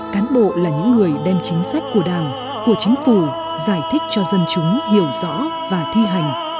cán bộ là những người đem chính sách của đảng của chính phủ giải thích cho dân chúng hiểu rõ và thi hành